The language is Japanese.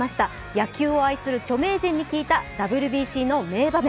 野球を愛する著名人に聞いたＷＢＣの名場面。